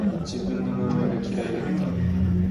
自分の名前が嫌いだった